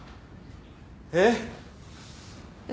えっ。